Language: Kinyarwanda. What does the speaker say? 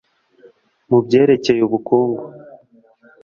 mu byerekeye ubukungu